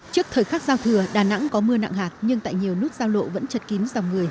trước thời khắc giao thừa đà nẵng có mưa nặng hạt nhưng tại nhiều nút giao lộ vẫn chật kín dòng người